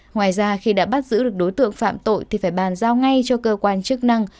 ngoài ra khi đã bắt giữ được đối tượng phạm tội thì phải bàn giao ngay cho cơ quan chức năng